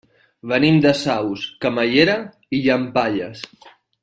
Venim de Saus, Camallera i Llampaies.